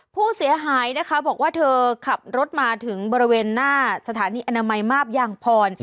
ผู้เสียหายนะคะบอกว่าเธอขับรถมาถึงบริเวณหน้าสถานีอนามัยมาบยางพร